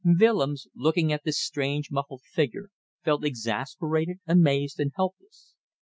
Willems, looking at this strange, muffled figure, felt exasperated, amazed and helpless.